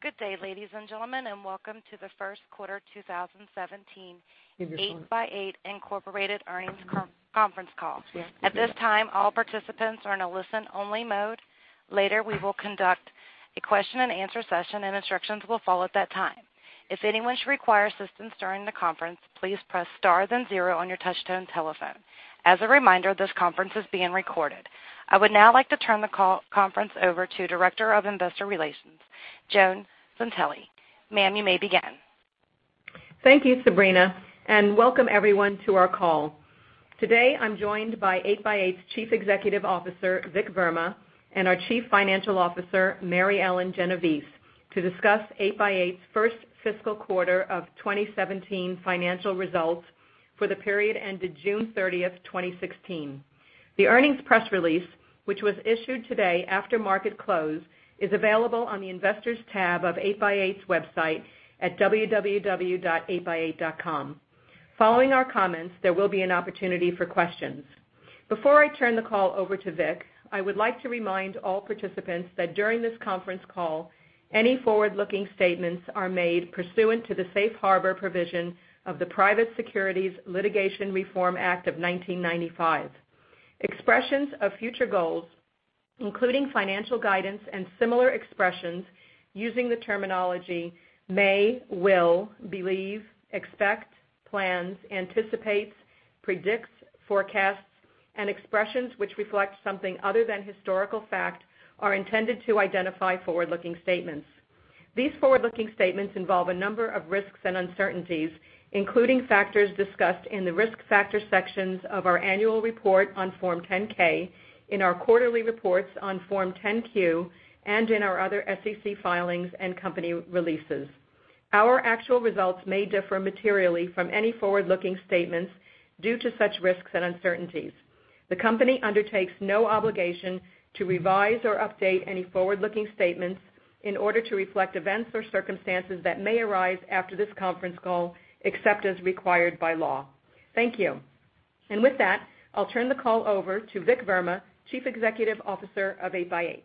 Good day, ladies and gentlemen, and welcome to the first quarter 2017 8x8, Inc. earnings conference call. At this time, all participants are in a listen-only mode. Later, we will conduct a question and answer session, and instructions will follow at that time. If anyone should require assistance during the conference, please press star then 0 on your touch-tone telephone. As a reminder, this conference is being recorded. I would now like to turn the conference over to Director of Investor Relations, Joan Citelli. Ma'am, you may begin. Thank you, Sabrina, and welcome everyone to our call. Today, I'm joined by 8x8's Chief Executive Officer, Vik Verma, and our Chief Financial Officer, Mary Ellen Genovese, to discuss 8x8's first fiscal quarter of 2017 financial results for the period ended June 30th, 2016. The earnings press release, which was issued today after market close, is available on the Investors tab of 8x8's website at www.8x8.com. Following our comments, there will be an opportunity for questions. Before I turn the call over to Vik, I would like to remind all participants that during this conference call, any forward-looking statements are made pursuant to the safe harbor provision of the Private Securities Litigation Reform Act of 1995. Expressions of future goals, including financial guidance and similar expressions using the terminology may, will, believe, expect, plans, anticipates, predicts, forecasts, and expressions which reflect something other than historical fact, are intended to identify forward-looking statements. These forward-looking statements involve a number of risks and uncertainties, including factors discussed in the Risk Factor sections of our annual report on Form 10-K, in our quarterly reports on Form 10-Q, and in our other SEC filings and company releases. Our actual results may differ materially from any forward-looking statements due to such risks and uncertainties. The company undertakes no obligation to revise or update any forward-looking statements in order to reflect events or circumstances that may arise after this conference call, except as required by law. Thank you. With that, I'll turn the call over to Vik Verma, Chief Executive Officer of 8x8.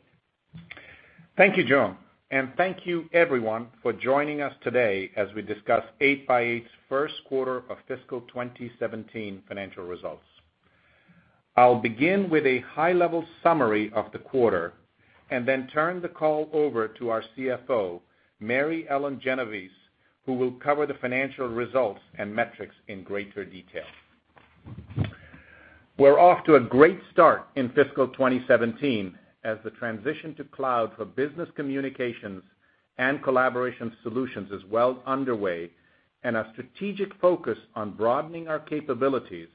Thank you, Joan, and thank you, everyone, for joining us today as we discuss 8x8's first quarter of fiscal 2017 financial results. I'll begin with a high-level summary of the quarter and then turn the call over to our CFO, Mary Ellen Genovese, who will cover the financial results and metrics in greater detail. We're off to a great start in fiscal 2017 as the transition to cloud for business communications and collaboration solutions is well underway, and our strategic focus on broadening our capabilities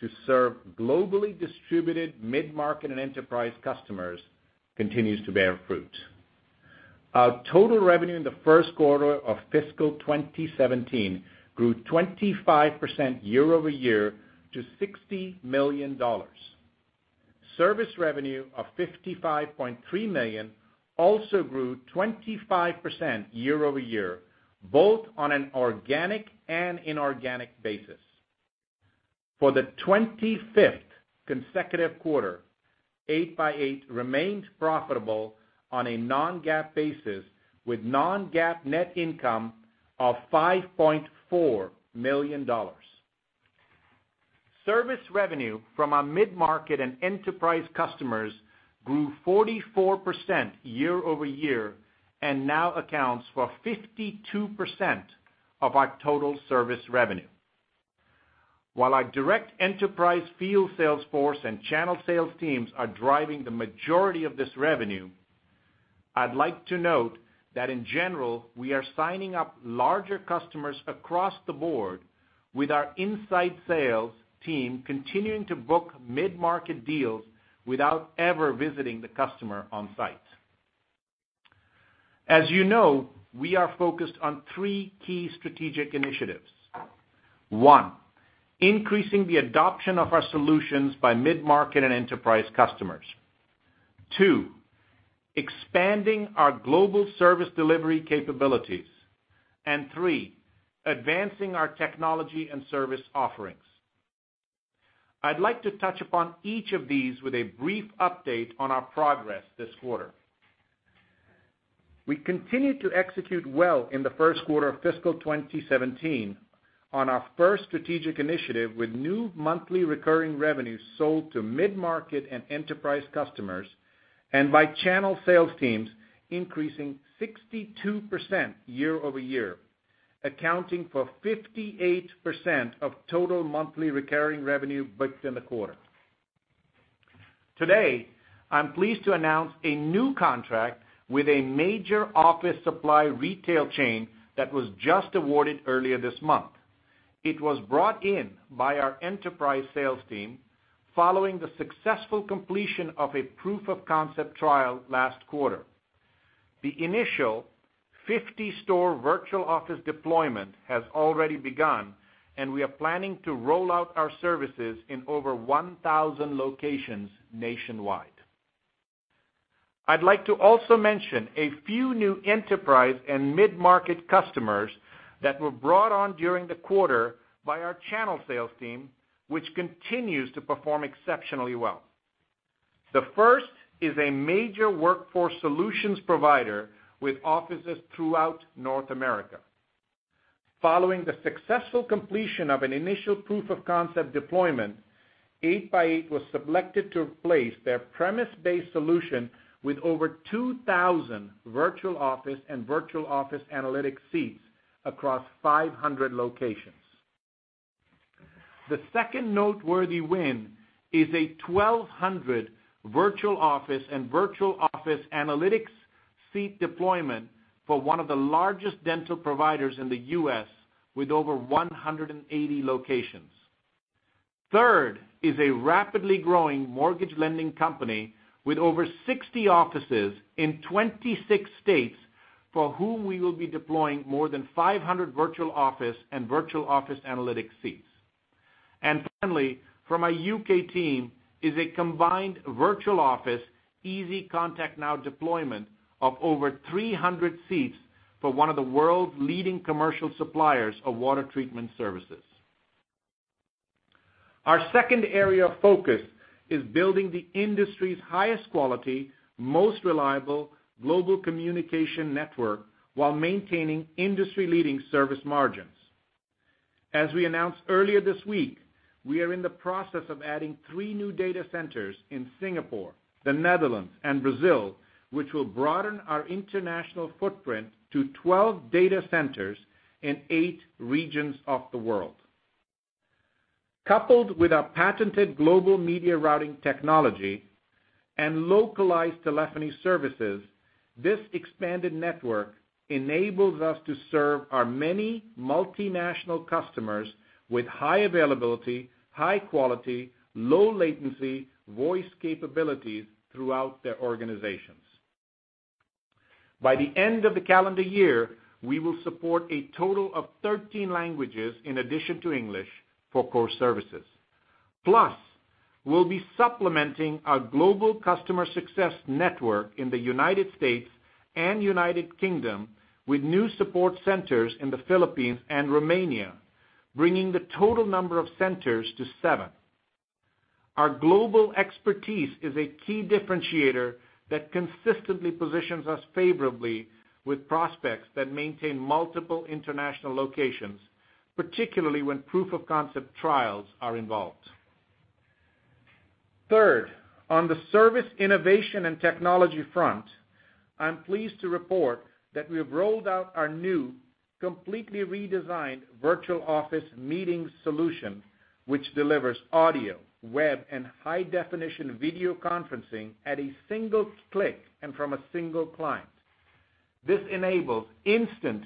to serve globally distributed mid-market and enterprise customers continues to bear fruit. Our total revenue in the first quarter of fiscal 2017 grew 25% year-over-year to $60 million. Service revenue of $55.3 million also grew 25% year-over-year, both on an organic and inorganic basis. For the 25th consecutive quarter, 8x8 remained profitable on a non-GAAP basis with non-GAAP net income of $5.4 million. Service revenue from our mid-market and enterprise customers grew 44% year-over-year and now accounts for 52% of our total service revenue. While our direct enterprise field sales force and channel sales teams are driving the majority of this revenue, I'd like to note that in general, we are signing up larger customers across the board with our inside sales team continuing to book mid-market deals without ever visiting the customer on site. As you know, we are focused on three key strategic initiatives. One, increasing the adoption of our solutions by mid-market and enterprise customers. Two, expanding our global service delivery capabilities. Three, advancing our technology and service offerings. I'd like to touch upon each of these with a brief update on our progress this quarter. We continued to execute well in the first quarter of fiscal 2017 on our first strategic initiative with new monthly recurring revenues sold to mid-market and enterprise customers and by channel sales teams increasing 62% year-over-year, accounting for 58% of total monthly recurring revenue booked in the quarter. Today, I'm pleased to announce a new contract with a major office supply retail chain that was just awarded earlier this month. It was brought in by our enterprise sales team following the successful completion of a proof of concept trial last quarter. The initial 50-store Virtual Office deployment has already begun, and we are planning to roll out our services in over 1,000 locations nationwide. I'd like to also mention a few new enterprise and mid-market customers that were brought on during the quarter by our channel sales team, which continues to perform exceptionally well. The first is a major workforce solutions provider with offices throughout North America. Following the successful completion of an initial proof of concept deployment, 8x8 was selected to replace their premise-based solution with over 2,000 Virtual Office and Virtual Office Analytics seats across 500 locations. The second noteworthy win is a 1,200 Virtual Office and Virtual Office Analytics seat deployment for one of the largest dental providers in the U.S., with over 180 locations. Third is a rapidly growing mortgage lending company with over 60 offices in 26 states, for whom we will be deploying more than 500 Virtual Office and Virtual Office Analytics seats. Finally, from our U.K. team is a combined Virtual Office EasyContactNow deployment of over 300 seats for one of the world's leading commercial suppliers of water treatment services. Our second area of focus is building the industry's highest quality, most reliable global communication network while maintaining industry-leading service margins. As we announced earlier this week, we are in the process of adding three new data centers in Singapore, the Netherlands, and Brazil, which will broaden our international footprint to 12 data centers in eight regions of the world. Coupled with our patented global media routing technology and localized telephony services, this expanded network enables us to serve our many multinational customers with high availability, high quality, low latency voice capabilities throughout their organizations. By the end of the calendar year, we will support a total of 13 languages in addition to English for core services. Plus, we'll be supplementing our global customer success network in the U.S. and U.K. with new support centers in the Philippines and Romania, bringing the total number of centers to seven. Our global expertise is a key differentiator that consistently positions us favorably with prospects that maintain multiple international locations, particularly when proof of concept trials are involved. Third, on the service innovation and technology front, I'm pleased to report that we have rolled out our new completely redesigned Virtual Office Meetings solution, which delivers audio, web, and high-definition video conferencing at a single click and from a single client. This enables instant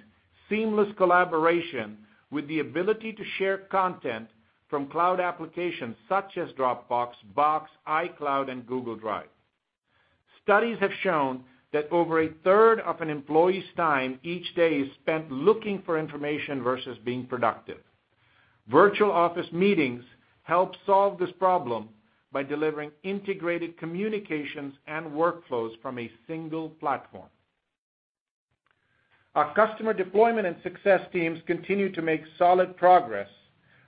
seamless collaboration with the ability to share content from cloud applications such as Dropbox, Box, iCloud, and Google Drive. Studies have shown that over a third of an employee's time each day is spent looking for information versus being productive. Virtual Office Meetings help solve this problem by delivering integrated communications and workflows from a single platform. Our customer deployment and success teams continue to make solid progress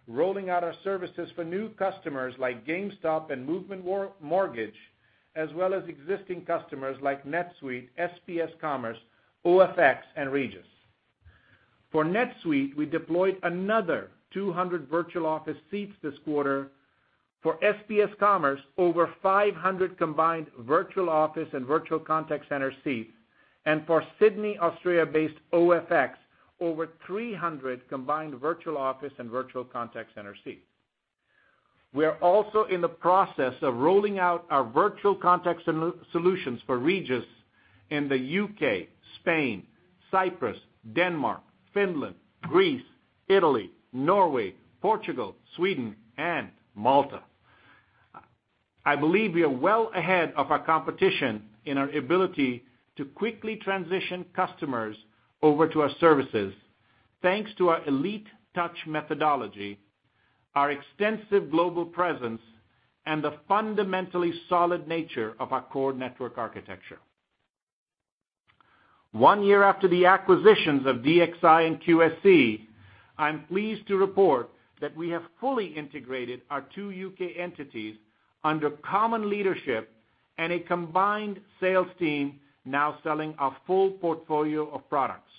rolling out our services for new customers like GameStop and Movement Mortgage, as well as existing customers like NetSuite, SPS Commerce, OFX, and Regus. For NetSuite, we deployed another 200 Virtual Office seats this quarter, for SPS Commerce, over 500 combined Virtual Office and Virtual Contact Center seats, and for Sydney, Australia-based OFX, over 300 combined Virtual Office and Virtual Contact Center seats. We are also in the process of rolling out our virtual contact solutions for Regus in the U.K., Spain, Cyprus, Denmark, Finland, Greece, Italy, Norway, Portugal, Sweden, and Malta. I believe we are well ahead of our competition in our ability to quickly transition customers over to our services, thanks to our Elite Touch methodology, our extensive global presence, and the fundamentally solid nature of our core network architecture. One year after the acquisitions of DXI and QSC, I'm pleased to report that we have fully integrated our two U.K. entities under common leadership and a combined sales team now selling our full portfolio of products.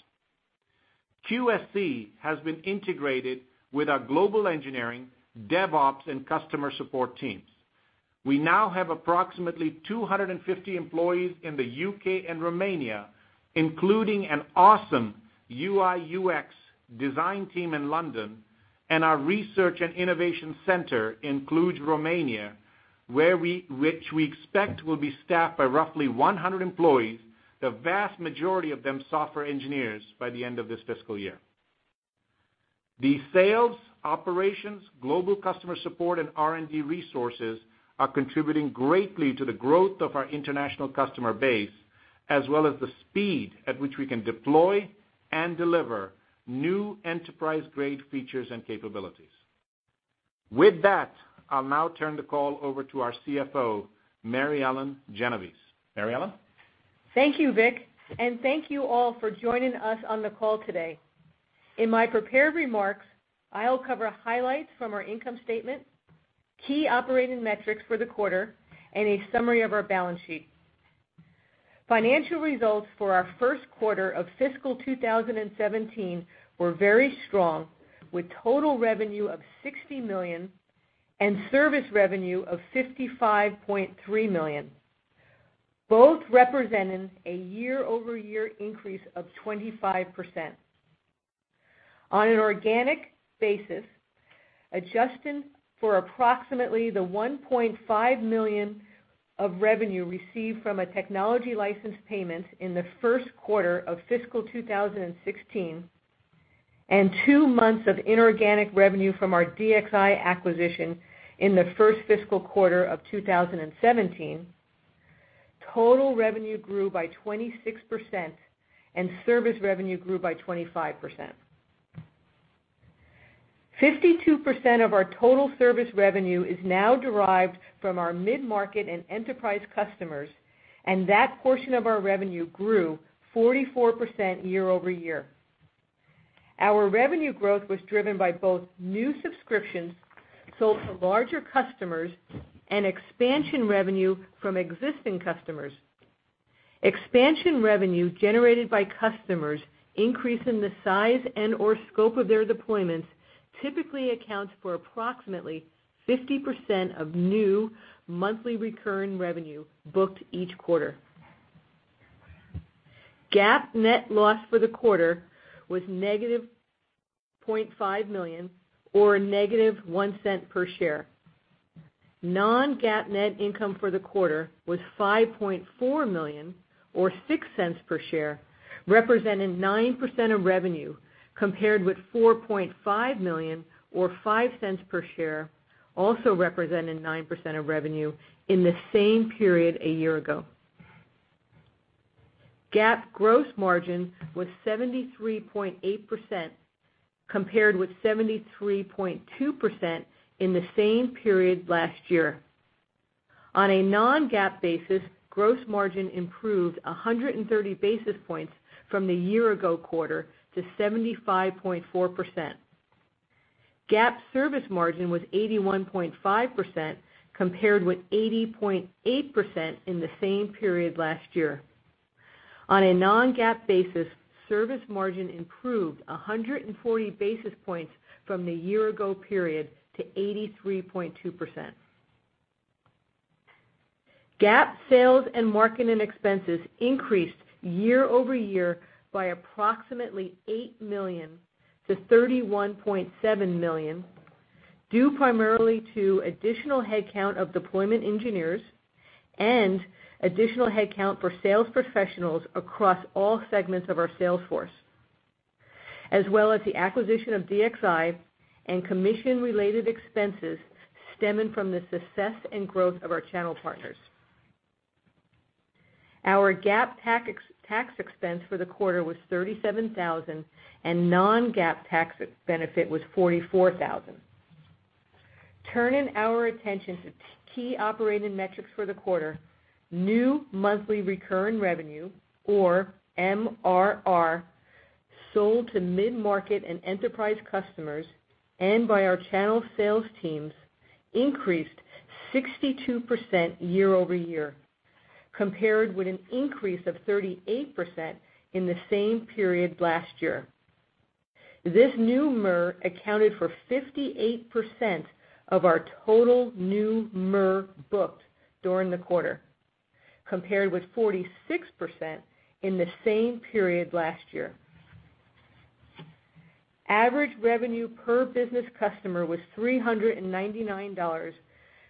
QSC has been integrated with our global engineering, DevOps, and customer support teams. We now have approximately 250 employees in the U.K. and Romania, including an awesome UI/UX design team in London, and our research and innovation center in Cluj, Romania, which we expect will be staffed by roughly 100 employees, the vast majority of them software engineers, by the end of this fiscal year. These sales, operations, global customer support, and R&D resources are contributing greatly to the growth of our international customer base, as well as the speed at which we can deploy and deliver new enterprise-grade features and capabilities. With that, I'll now turn the call over to our CFO, Mary Ellen Genovese. Mary Ellen? Thank you, Vik, thank you all for joining us on the call today. In my prepared remarks, I'll cover highlights from our income statement, key operating metrics for the quarter, and a summary of our balance sheet. Financial results for our first quarter of fiscal 2017 were very strong, with total revenue of $60 million and service revenue of $55.3 million, both representing a year-over-year increase of 25%. On an organic basis, adjusting for approximately the $1.5 million of revenue received from a technology license payment in the first quarter of fiscal 2016 and two months of inorganic revenue from our DXI acquisition in the first fiscal quarter of 2017, total revenue grew by 26%, service revenue grew by 25%. 52% of our total service revenue is now derived from our mid-market and enterprise customers, that portion of our revenue grew 44% year-over-year. Our revenue growth was driven by both new subscriptions sold to larger customers and expansion revenue from existing customers. Expansion revenue generated by customers increasing the size and/or scope of their deployments typically accounts for approximately 50% of new monthly recurring revenue booked each quarter. GAAP net loss for the quarter was negative $0.5 million, or a negative $0.01 per share. Non-GAAP net income for the quarter was $5.4 million or $0.06 per share, representing 9% of revenue, compared with $4.5 million or $0.05 per share, also representing 9% of revenue in the same period a year ago. GAAP gross margin was 73.8%, compared with 73.2% in the same period last year. On a non-GAAP basis, gross margin improved 130 basis points from the year-ago quarter to 75.4%. GAAP service margin was 81.5%, compared with 80.8% in the same period last year. On a non-GAAP basis, service margin improved 140 basis points from the year-ago period to 83.2%. GAAP sales and marketing expenses increased year-over-year by approximately $8 million to $31.7 million, due primarily to additional headcount of deployment engineers and additional headcount for sales professionals across all segments of our sales force, as well as the acquisition of DXI and commission-related expenses stemming from the success and growth of our channel partners. Our GAAP tax expense for the quarter was $37,000, non-GAAP tax benefit was $44,000. Turning our attention to key operating metrics for the quarter, new monthly recurring revenue, or MRR, sold to mid-market and enterprise customers by our channel sales teams increased 62% year-over-year, compared with an increase of 38% in the same period last year. This new MRR accounted for 58% of our total new MRR booked during the quarter, compared with 46% in the same period last year. Average revenue per business customer was $399,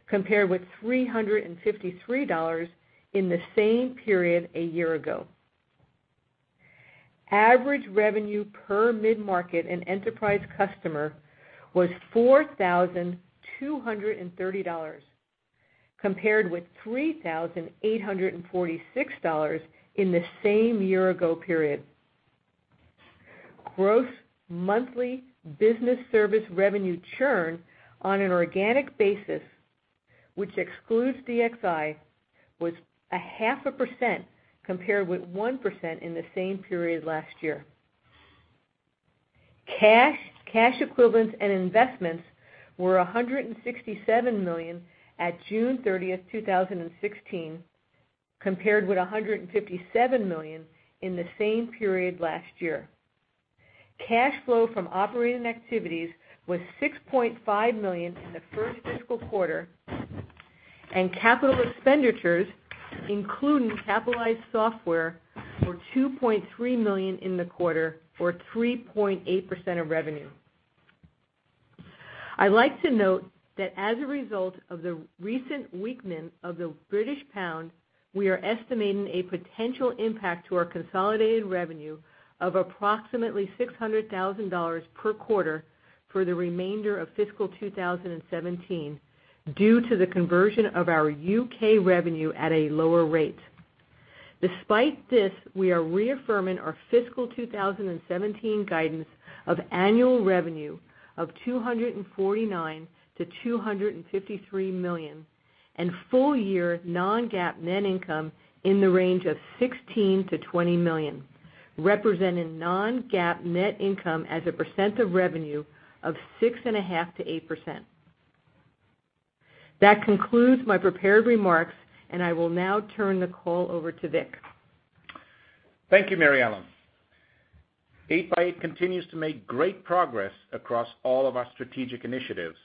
compared with $353 in the same period a year ago. Average revenue per mid-market and enterprise customer was $4,230, compared with $3,846 in the same year-ago period. Gross monthly business service revenue churn on an organic basis, which excludes DXI, was a half a percent, compared with 1% in the same period last year. Cash equivalents and investments were $167 million at June 30th, 2016, compared with $157 million in the same period last year. Cash flow from operating activities was $6.5 million in the first fiscal quarter, capital expenditures, including capitalized software, were $2.3 million in the quarter, or 3.8% of revenue. I'd like to note that as a result of the recent weakening of the British pound, we are estimating a potential impact to our consolidated revenue of approximately $600,000 per quarter for the remainder of fiscal 2017 due to the conversion of our U.K. revenue at a lower rate. Despite this, we are reaffirming our fiscal 2017 guidance of annual revenue of $249 million-$253 million. Full-year non-GAAP net income in the range of $16 million-$20 million, representing non-GAAP net income as a percent of revenue of 6.5%-8%. That concludes my prepared remarks, and I will now turn the call over to Vik. Thank you, Mary Ellen. 8x8 continues to make great progress across all of our strategic initiatives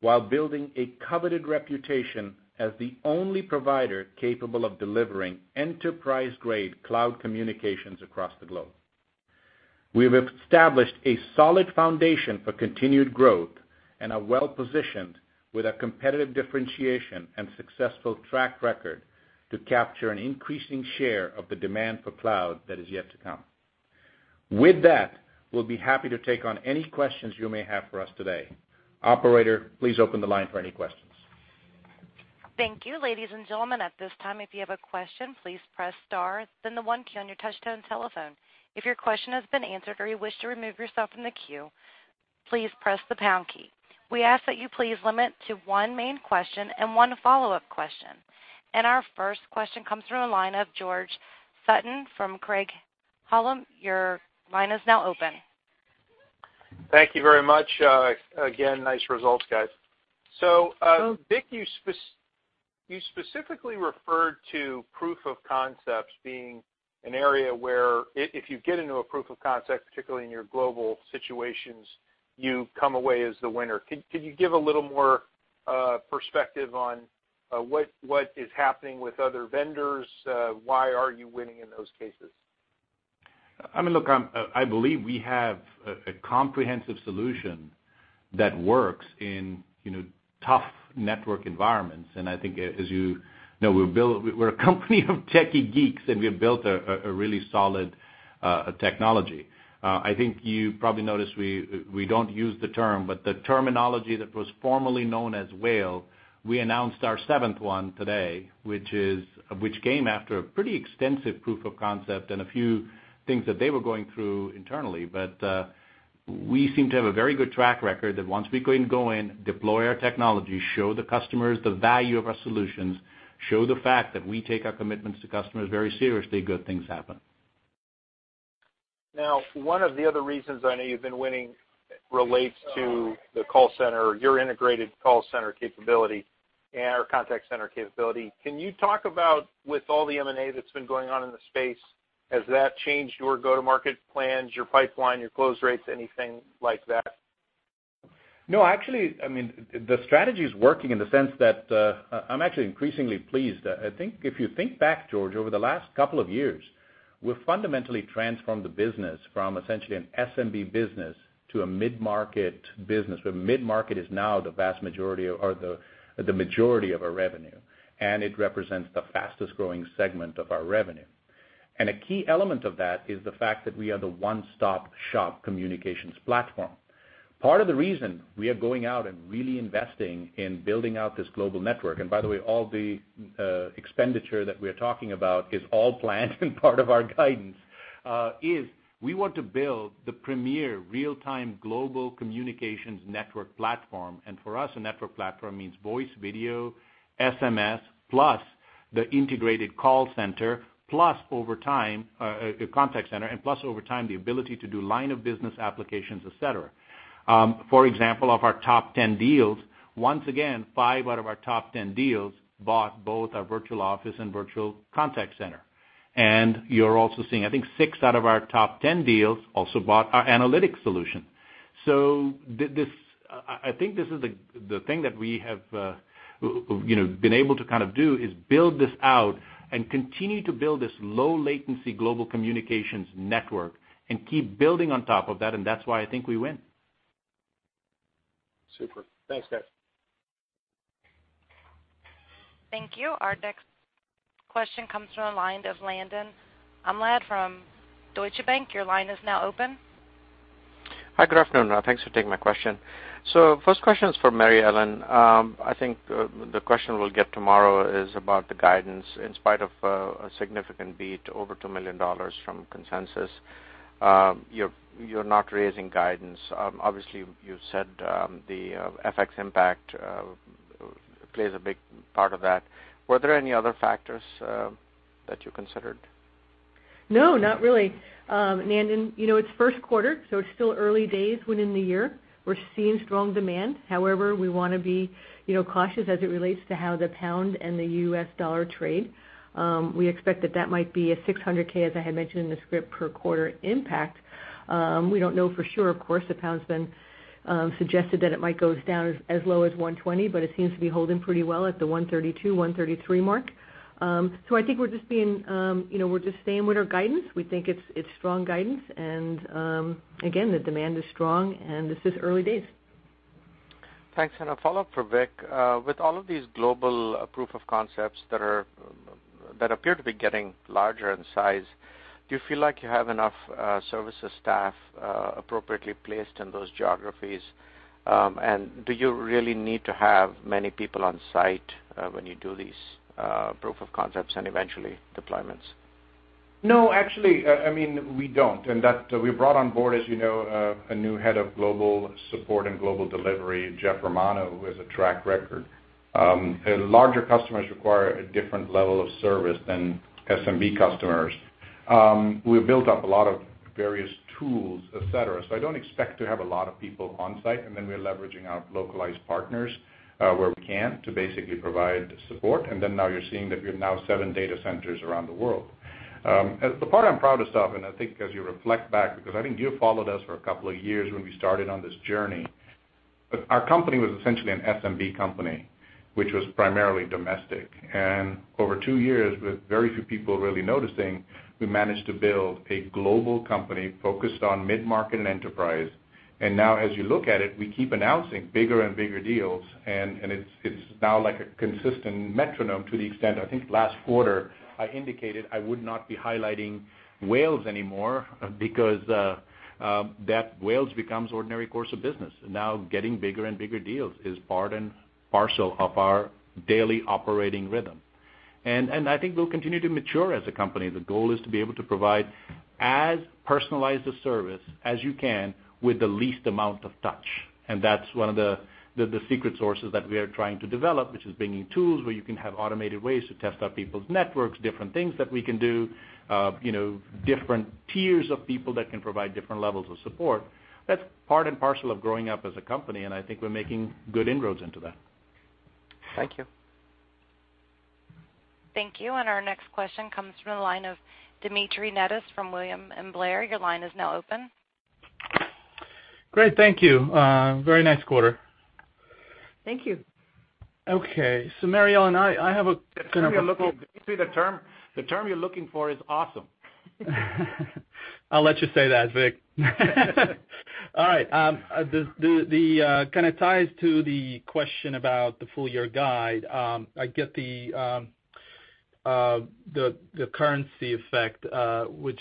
while building a coveted reputation as the only provider capable of delivering enterprise-grade cloud communications across the globe. We've established a solid foundation for continued growth and are well-positioned with our competitive differentiation and successful track record to capture an increasing share of the demand for cloud that is yet to come. With that, we'll be happy to take on any questions you may have for us today. Operator, please open the line for any questions. Thank you, ladies and gentlemen. At this time, if you have a question, please press star, then the one key on your touch-tone telephone. If your question has been answered or you wish to remove yourself from the queue, please press the pound key. We ask that you please limit to one main question and one follow-up question. Our first question comes from the line of George Sutton from Craig-Hallum. Your line is now open. Thank you very much. Again, nice results, guys. Vik, you specifically referred to proof of concepts being an area where if you get into a proof of concept, particularly in your global situations, you come away as the winner. Can you give a little more perspective on what is happening with other vendors? Why are you winning in those cases? Look, I believe we have a comprehensive solution that works in tough network environments, and I think, as you know, we're a company of techie geeks, and we have built a really solid technology. I think you probably noticed we don't use the term, but the terminology that was formerly known as Whale, we announced our seventh one today, which came after a pretty extensive proof of concept and a few things that they were going through internally. We seem to have a very good track record that once we go in, deploy our technology, show the customers the value of our solutions, show the fact that we take our commitments to customers very seriously, good things happen. Now, one of the other reasons I know you've been winning relates to the call center, your integrated call center capability and our contact center capability. Can you talk about, with all the M&A that's been going on in the space, has that changed your go-to-market plans, your pipeline, your close rates, anything like that? No, actually, the strategy is working in the sense that I'm actually increasingly pleased. I think if you think back, George, over the last couple of years, we've fundamentally transformed the business from essentially an SMB business to a mid-market business, where mid-market is now the majority of our revenue, and it represents the fastest-growing segment of our revenue. A key element of that is the fact that we are the one-stop-shop communications platform. Part of the reason we are going out and really investing in building out this global network, and by the way, all the expenditure that we're talking about is all planned and part of our guidance, is we want to build the premier real-time global communications network platform. For us, a network platform means voice, video, SMS, plus the integrated call center, plus over time, a contact center, and plus over time, the ability to do line of business applications, et cetera. For example, of our top 10 deals, once again, five out of our top 10 deals bought both our Virtual Office and Virtual Contact Center. You're also seeing, I think, six out of our top 10 deals also bought our Analytics Solution. I think this is the thing that we have been able to do, is build this out and continue to build this low-latency global communications network and keep building on top of that, and that's why I think we win. Super. Thanks, guys. Thank you. Our next question comes from the line of Nandan Amladi from Deutsche Bank. Your line is now open. Hi. Good afternoon. Thanks for taking my question. The first question is for Mary Ellen. I think the question we'll get tomorrow is about the guidance in spite of a significant beat over $2 million from consensus. You're not raising guidance. Obviously, you said the FX impact plays a big part of that. Were there any other factors that you considered? No, not really. Nandan, it's first quarter, it's still early days within the year. We're seeing strong demand. However, we want to be cautious as it relates to how the pound and the US dollar trade. We expect that that might be a $600K, as I had mentioned in the script, per quarter impact. We don't know for sure, of course. The pound's been suggested that it might go down as low as $1.20, but it seems to be holding pretty well at the $1.32, $1.33 mark. I think we're just staying with our guidance. We think it's strong guidance. Again, the demand is strong, and this is early days. Thanks. A follow-up for Vik. With all of these global proof of concepts that appear to be getting larger in size, do you feel like you have enough services staff appropriately placed in those geographies? Do you really need to have many people on site when you do these proof of concepts and eventually deployments? No, actually, we don't. That we brought on board, as you know, a new head of global support and global delivery, Jeff Romano, who has a track record. Larger customers require a different level of service than SMB customers. We've built up a lot of various tools, et cetera. I don't expect to have a lot of people on site. We are leveraging our localized partners where we can to basically provide support. Now you're seeing that we have now 12 centers around the world. The part I'm proudest of, I think as you reflect back, because I think you followed us for a couple of years when we started on this journey, our company was essentially an SMB company, which was primarily domestic. Over two years, with very few people really noticing, we managed to build a global company focused on mid-market and enterprise. Now as you look at it, we keep announcing bigger and bigger deals. It's now like a consistent metronome to the extent I think last quarter, I indicated I would not be highlighting whales anymore because that whales becomes ordinary course of business. Now getting bigger and bigger deals is part and parcel of our daily operating rhythm. I think we'll continue to mature as a company. The goal is to be able to provide as personalized a service as you can with the least amount of touch. That's one of the secret sauces that we are trying to develop, which is bringing tools where you can have automated ways to test out people's networks, different things that we can do, different tiers of people that can provide different levels of support. That's part and parcel of growing up as a company. I think we're making good inroads into that. Thank you. Thank you. Our next question comes from the line of Dmitry Netis from William Blair. Your line is now open. Great. Thank you. Very nice quarter. Thank you. Okay. Mary Ellen, I have a- Dmitry, let me see the term you're looking for is awesome. I'll let you say that, Vik. All right. The kind of ties to the question about the full-year guide. I get the currency effect, which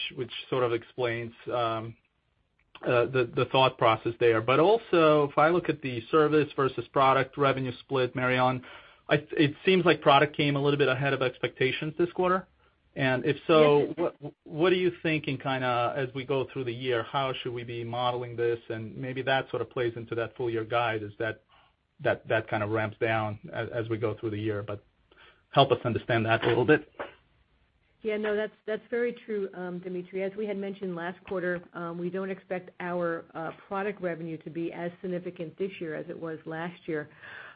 sort of explains the thought process there. Also, if I look at the service versus product revenue split, Mary Ellen, it seems like product came a little bit ahead of expectations this quarter. If so- Yes what are you thinking kind of as we go through the year? How should we be modeling this? Maybe that sort of plays into that full-year guide, is that kind of ramps down as we go through the year. Help us understand that a little bit. Yeah. No, that's very true, Dmitry. As we had mentioned last quarter, we don't expect our product revenue to be as significant this year as it was last year.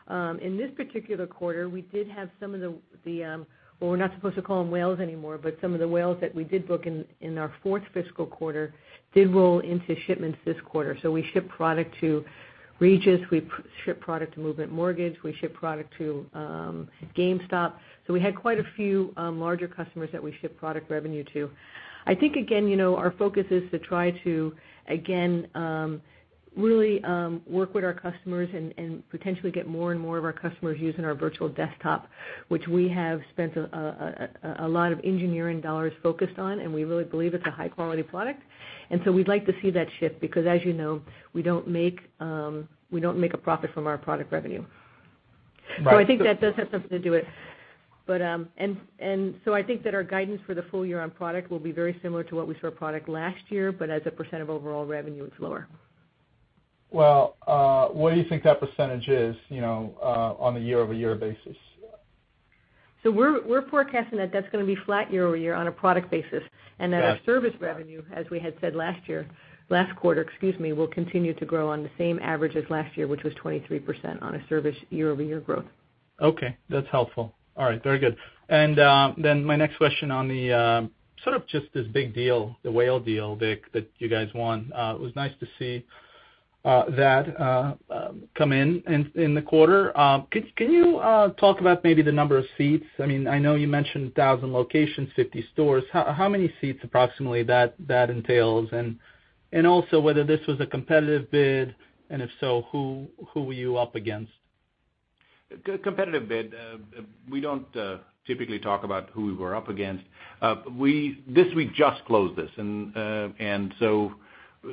In this particular quarter, we did have some of the-- Well, we're not supposed to call them whales anymore, but some of the whales that we did book in our fourth fiscal quarter did roll into shipments this quarter. We shipped product to Regus. We shipped product to Movement Mortgage. We shipped product to GameStop. We had quite a few larger customers that we shipped product revenue to. I think, again, our focus is to try to, again, really work with our customers and potentially get more and more of our customers using our virtual desktop, which we have spent a lot of engineering dollars focused on, and we really believe it's a high-quality product. We'd like to see that shift because as you know, we don't make a profit from our product revenue. Right. I think that our guidance for the full year on product will be very similar to what we saw product last year, but as a % of overall revenue, it's lower. What do you think that % is on a year-over-year basis? We're forecasting that that's going to be flat year-over-year on a product basis. Yes. Our service revenue, as we had said last year, last quarter, excuse me, will continue to grow on the same average as last year, which was 23% on a service year-over-year growth. Okay. That's helpful. All right. Very good. My next question on the sort of just this big deal, the Whale deal, Vik, that you guys won. It was nice to see that come in the quarter. Can you talk about maybe the number of seats? I know you mentioned 1,000 locations, 50 stores. How many seats approximately that entails? Also whether this was a competitive bid, and if so, who were you up against? Competitive bid. We don't typically talk about who we're up against. This week just closed this, and so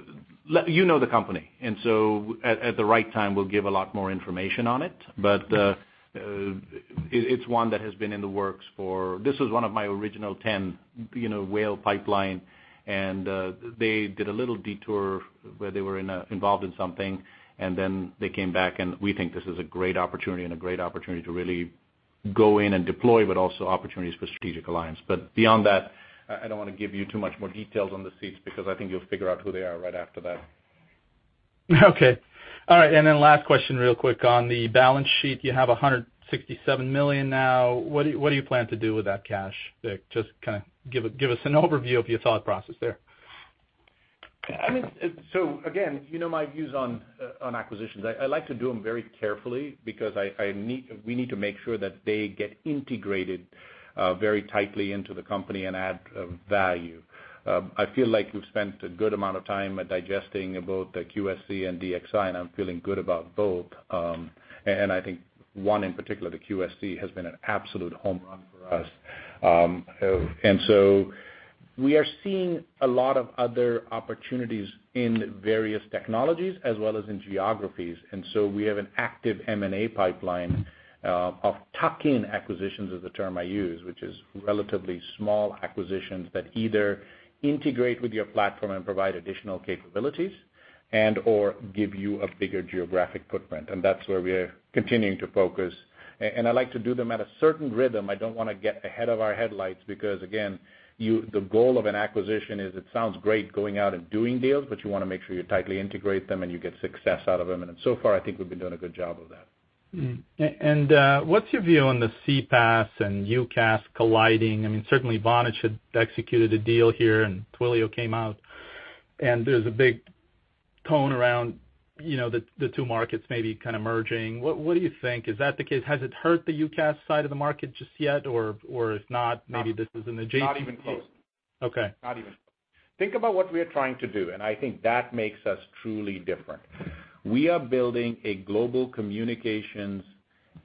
you know the company, and so at the right time, we'll give a lot more information on it. It's one that has been in the works for. This was one of my original 10 Whale pipeline. They did a little detour where they were involved in something. They came back. We think this is a great opportunity. A great opportunity to really go in and deploy. Also opportunities for strategic alliance. Beyond that, I don't want to give you too much more details on the seats because I think you'll figure out who they are right after that. Okay. All right, last question real quick. On the balance sheet, you have $167 million now. What do you plan to do with that cash, Vik? Just kind of give us an overview of your thought process there. Again, you know my views on acquisitions. I like to do them very carefully because we need to make sure that they get integrated very tightly into the company and add value. I feel like we've spent a good amount of time digesting both the QSC and DXI, and I'm feeling good about both. I think one in particular, the QSC, has been an absolute home run for us. we are seeing a lot of other opportunities in various technologies as well as in geographies. we have an active M&A pipeline of tuck-in acquisitions, is the term I use, which is relatively small acquisitions that either integrate with your platform and provide additional capabilities and/or give you a bigger geographic footprint. That's where we're continuing to focus. I like to do them at a certain rhythm. I don't want to get ahead of our headlights because, again, the goal of an acquisition is it sounds great going out and doing deals, but you want to make sure you tightly integrate them and you get success out of them. So far, I think we've been doing a good job of that. What's your view on the CPaaS and UCaaS colliding? Certainly, Vonage had executed a deal here, and Twilio came out, and there's a big tone around the two markets maybe kind of merging. What do you think? Is that the case? Has it hurt the UCaaS side of the market just yet? If not, maybe this is an adjacent- Not even close. Okay. Not even close. Think about what we are trying to do, I think that makes us truly different. We are building a global communications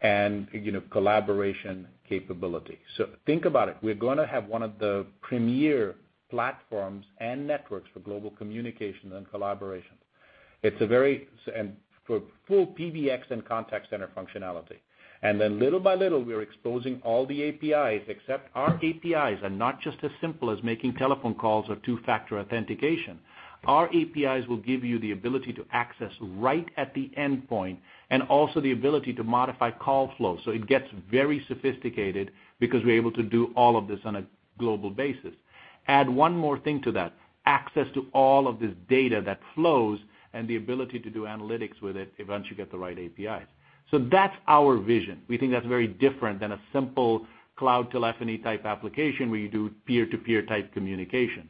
and collaboration capability. Think about it. We're going to have one of the premier platforms and networks for global communications and collaboration. It's a very full PBX and contact center functionality. Little by little, we are exposing all the APIs, except our APIs are not just as simple as making telephone calls or two-factor authentication. Our APIs will give you the ability to access right at the endpoint, and also the ability to modify call flow. It gets very sophisticated because we're able to do all of this on a global basis. Add one more thing to that, access to all of this data that flows and the ability to do analytics with it once you get the right APIs. That's our vision. We think that's very different than a simple cloud telephony type application where you do peer-to-peer type communication.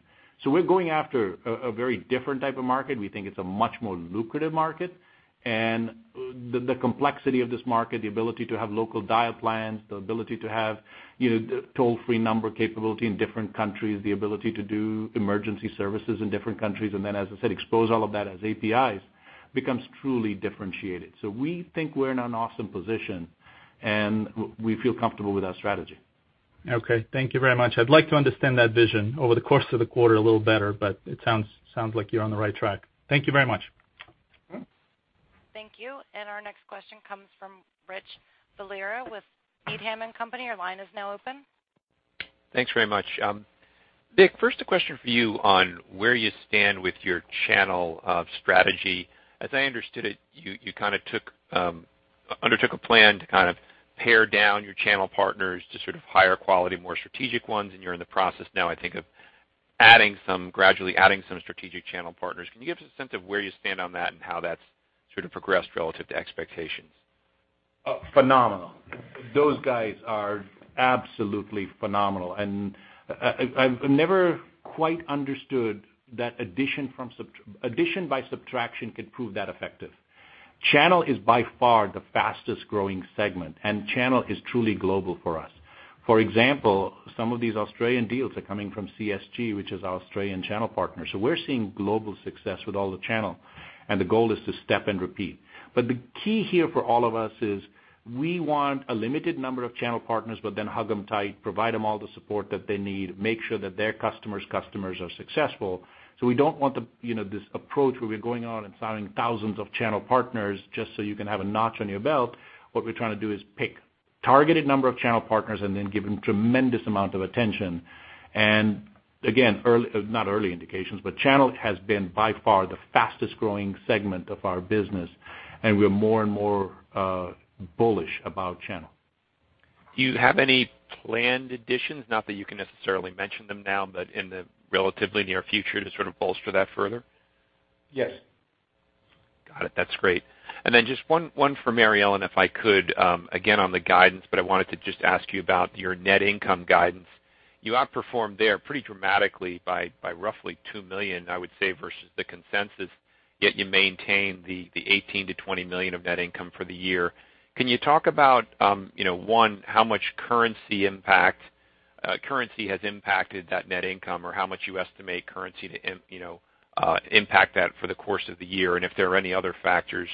We're going after a very different type of market. We think it's a much more lucrative market, the complexity of this market, the ability to have local dial plans, the ability to have toll-free number capability in different countries, the ability to do emergency services in different countries, as I said, expose all of that as APIs, becomes truly differentiated. We think we're in an awesome position, and we feel comfortable with our strategy. Okay. Thank you very much. I'd like to understand that vision over the course of the quarter a little better, it sounds like you're on the right track. Thank you very much. Thank you. Our next question comes from Rich Valera with Needham & Company. Your line is now open. Thanks very much. Vik, first a question for you on where you stand with your channel of strategy. As I understood it, you undertook a plan to pare down your channel partners to higher quality, more strategic ones, and you're in the process now, I think, of gradually adding some strategic channel partners. Can you give us a sense of where you stand on that and how that's progressed relative to expectations? Phenomenal. Those guys are absolutely phenomenal. I've never quite understood that addition by subtraction could prove that effective. Channel is by far the fastest-growing segment, and channel is truly global for us. For example, some of these Australian deals are coming from CSG, which is our Australian channel partner. We're seeing global success with all the channel, and the goal is to step and repeat. The key here for all of us is we want a limited number of channel partners, but then hug them tight, provide them all the support that they need, make sure that their customers' customers are successful. We don't want this approach where we're going out and signing thousands of channel partners just so you can have a notch on your belt. What we're trying to do is pick targeted number of channel partners and then give them tremendous amount of attention. Again, not early indications, but channel has been by far the fastest-growing segment of our business, and we're more and more bullish about channel. Do you have any planned additions, not that you can necessarily mention them now, but in the relatively near future to sort of bolster that further? Yes. Got it. That's great. Just one for Mary Ellen, if I could, again, on the guidance, I wanted to just ask you about your net income guidance. You outperformed there pretty dramatically by roughly $2 million, I would say, versus the consensus, yet you maintained the $18 million-$20 million of net income for the year. Can you talk about, one, how much currency has impacted that net income or how much you estimate currency to impact that for the course of the year, and if there are any other factors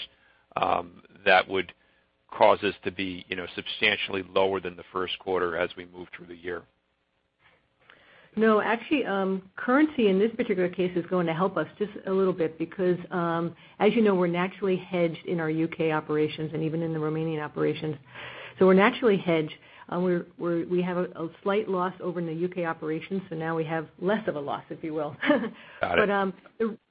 that would cause this to be substantially lower than the first quarter as we move through the year? No, actually, currency in this particular case is going to help us just a little bit because as you know, we're naturally hedged in our U.K. operations and even in the remaining operations. We're naturally hedged. We have a slight loss over in the U.K. operations, now we have less of a loss, if you will. Got it.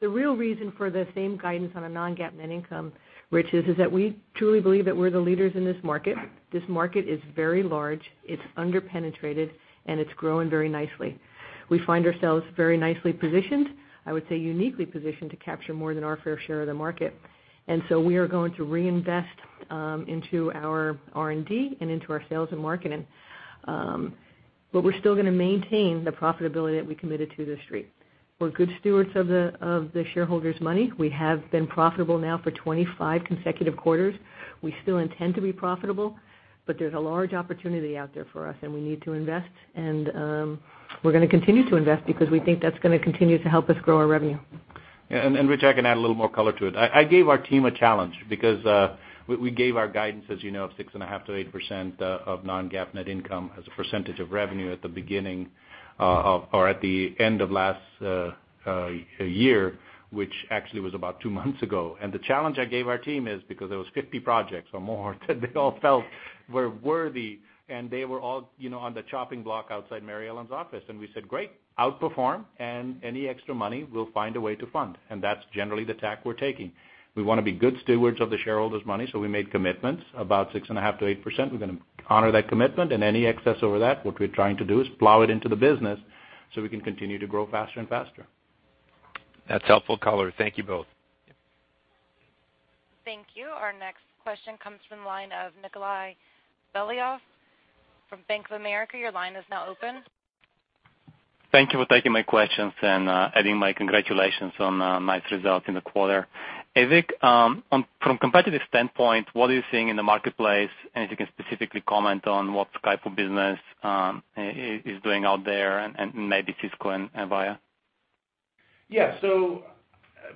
The real reason for the same guidance on a non-GAAP net income, Rich, is that we truly believe that we're the leaders in this market. This market is very large, it's under-penetrated, and it's growing very nicely. We find ourselves very nicely positioned, I would say uniquely positioned to capture more than our fair share of the market. We are going to reinvest into our R&D and into our sales and marketing. We're still going to maintain the profitability that we committed to The Street. We're good stewards of the shareholders' money. We have been profitable now for 25 consecutive quarters. We still intend to be profitable, there's a large opportunity out there for us, we need to invest, we're going to continue to invest because we think that's going to continue to help us grow our revenue. Rich, I can add a little more color to it. I gave our team a challenge because we gave our guidance, as you know, of 6.5%-8% of non-GAAP net income as a percentage of revenue at the beginning or at the end of last year, which actually was about two months ago. The challenge I gave our team is because there was 50 projects or more that they all felt were worthy, they were all on the chopping block outside Mary Ellen's office. We said, "Great, outperform, any extra money we'll find a way to fund." That's generally the tack we're taking. We want to be good stewards of the shareholders' money, we made commitments about 6.5%-8%. We're going to honor that commitment. Any excess over that, what we're trying to do is plow it into the business we can continue to grow faster and faster. That's helpful color. Thank you both. Thank you. Our next question comes from the line of Nikolay Beliov from Bank of America. Your line is now open. Thank you for taking my questions and adding my congratulations on nice results in the quarter. Vik, from competitive standpoint, what are you seeing in the marketplace? If you can specifically comment on what Skype for Business is doing out there and maybe Cisco and Avaya. Yeah.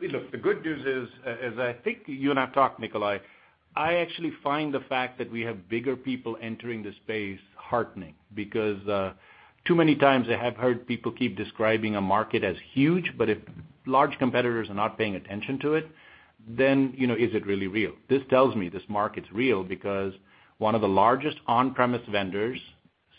Look, the good news is, as I think you and I have talked, Nikolay, I actually find the fact that we have bigger people entering the space heartening because too many times I have heard people keep describing a market as huge, but if large competitors are not paying attention to it, then is it really real? This tells me this market's real because one of the largest on-premise vendors,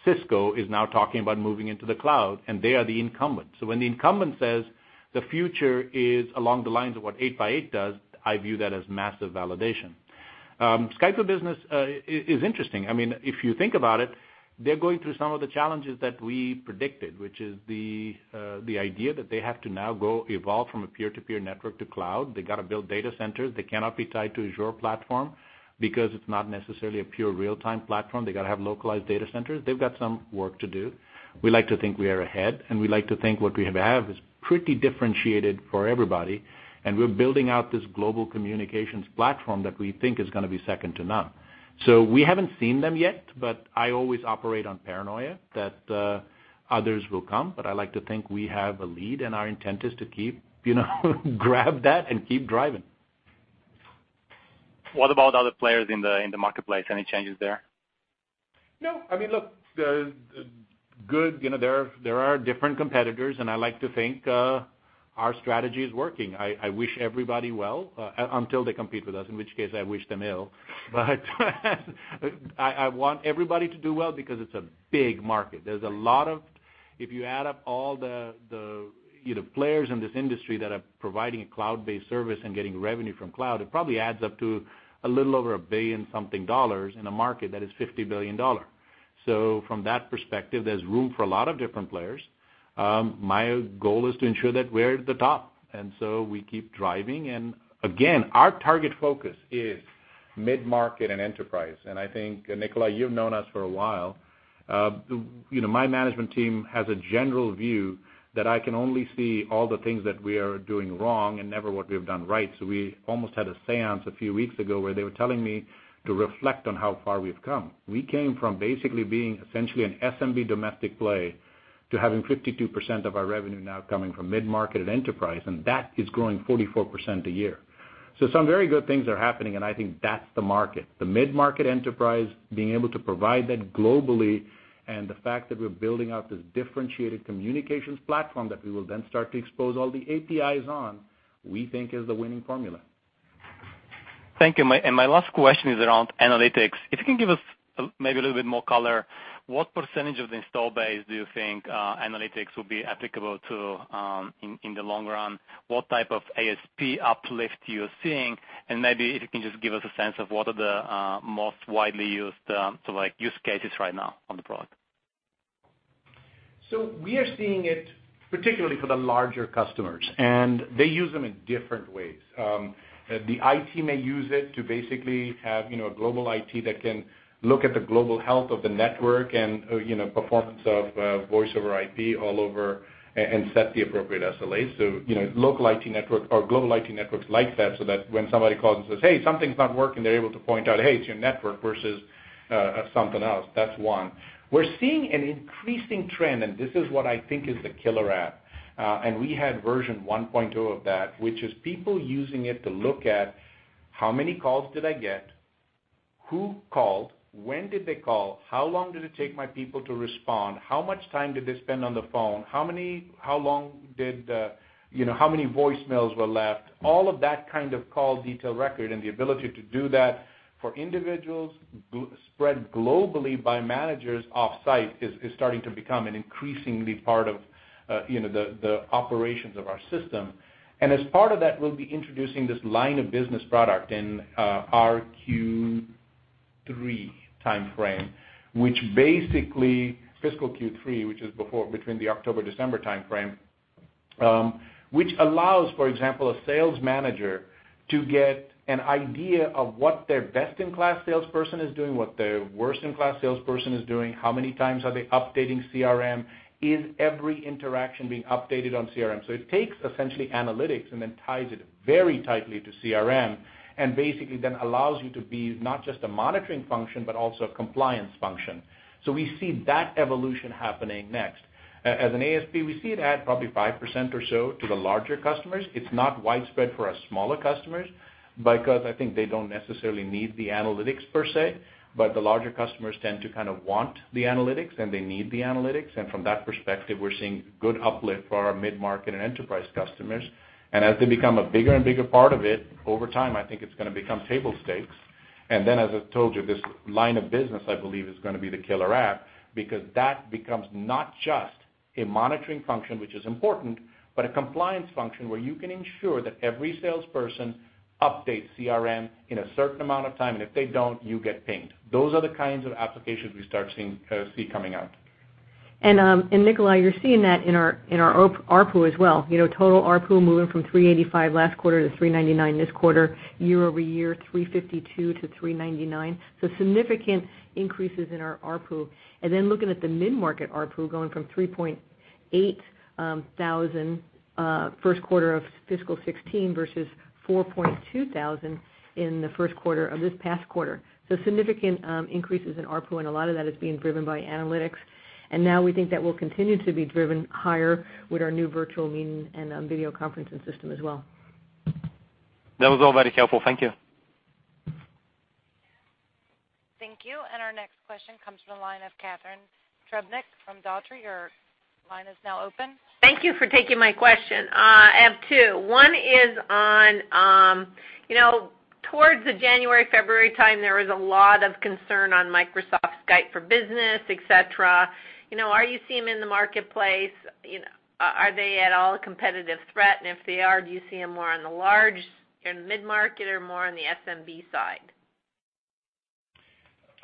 Cisco, is now talking about moving into the cloud, and they are the incumbent. When the incumbent says the future is along the lines of what 8x8 does, I view that as massive validation. Skype for Business is interesting. If you think about it, they're going through some of the challenges that we predicted, which is the idea that they have to now evolve from a peer-to-peer network to cloud. They got to build data centers. They cannot be tied to Azure platform because it's not necessarily a pure real-time platform. They got to have localized data centers. They've got some work to do. We like to think we are ahead, and we like to think what we have is pretty differentiated for everybody, and we're building out this global communications platform that we think is going to be second to none. We haven't seen them yet, but I always operate on paranoia that others will come, but I like to think we have a lead, and our intent is to grab that and keep driving. What about other players in the marketplace? Any changes there? No. Look, there are different competitors. I like to think our strategy is working. I wish everybody well until they compete with us, in which case I wish them ill. I want everybody to do well because it's a big market. If you add up all the players in this industry that are providing a cloud-based service and getting revenue from cloud, it probably adds up to a little over a billion something dollars in a market that is $50 billion. From that perspective, there's room for a lot of different players. My goal is to ensure that we're at the top. We keep driving. Again, our target focus is mid-market and enterprise. I think, Nikolay, you've known us for a while. My management team has a general view that I can only see all the things that we are doing wrong and never what we've done right. We almost had a séance a few weeks ago where they were telling me to reflect on how far we've come. We came from basically being essentially an SMB domestic play to having 52% of our revenue now coming from mid-market and enterprise. That is growing 44% a year. Some very good things are happening. I think that's the market. The mid-market enterprise being able to provide that globally. The fact that we're building out this differentiated communications platform that we will then start to expose all the APIs on, we think is the winning formula. Thank you. My last question is around analytics. If you can give us maybe a little bit more color, what % of the install base do you think analytics will be applicable to in the long run? What type of ASP uplift you're seeing? Maybe if you can just give us a sense of what are the most widely used cases right now on the product. We are seeing it particularly for the larger customers, and they use them in different ways. The IT may use it to basically have a global IT that can look at the global health of the network and performance of voiceover IP all over and set the appropriate SLAs. Global IT networks like that, so that when somebody calls and says, "Hey, something's not working," they're able to point out, "Hey, it's your network versus something else." That's one. We're seeing an increasing trend, and this is what I think is the killer app. We had version 1.0 of that, which is people using it to look at how many calls did I get? Who called? When did they call? How long did it take my people to respond? How much time did they spend on the phone? How many voicemails were left? All of that kind of call detail record and the ability to do that for individuals spread globally by managers offsite is starting to become an increasingly part of the operations of our system. As part of that, we'll be introducing this line of business product in our Q3 timeframe. Fiscal Q3, which is between the October-December timeframe, which allows, for example, a sales manager to get an idea of what their best-in-class salesperson is doing, what their worst-in-class salesperson is doing, how many times are they updating CRM, is every interaction being updated on CRM? It takes essentially analytics and then ties it very tightly to CRM and basically then allows you to be not just a monitoring function but also a compliance function. We see that evolution happening next. As an ASP, we see it add probably 5% or so to the larger customers. It's not widespread for our smaller customers, because I think they don't necessarily need the analytics per se, but the larger customers tend to kind of want the analytics, and they need the analytics. From that perspective, we're seeing good uplift for our mid-market and enterprise customers. As they become a bigger and bigger part of it, over time, I think it's going to become table stakes. As I told you, this line of business, I believe, is going to be the killer app because that becomes not just a monitoring function, which is important, but a compliance function where you can ensure that every salesperson updates CRM in a certain amount of time, and if they don't, you get pinged. Those are the kinds of applications we start see coming out. Nikolay, you're seeing that in our ARPU as well. Total ARPU moving from $385 last quarter to $399 this quarter, year-over-year, $352 to $399. Significant increases in our ARPU. Looking at the mid-market ARPU, going from $3,800, first quarter of fiscal 2016 versus $4,200 in the first quarter of this past quarter. Significant increases in ARPU, and a lot of that is being driven by analytics. Now we think that will continue to be driven higher with our new virtual meeting and video conferencing system as well. That was all very helpful. Thank you. Thank you. Our next question comes from the line of Catharine Trebnick from Dougherty. Your line is now open. Thank you for taking my question. I have two. One is on towards the January, February time, there was a lot of concern on Microsoft Skype for Business, et cetera. Are you seeing them in the marketplace? Are they at all a competitive threat? If they are, do you see them more in the large and mid-market or more on the SMB side?